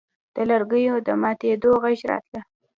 د لرګو د ماتېدو غږ راته.